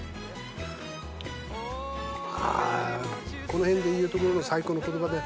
この辺でいうところの最高の言葉で。